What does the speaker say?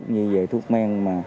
như thuốc men